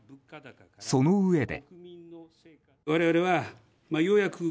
そのうえで。